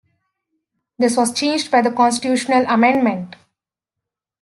This was changed by constitutional amendment.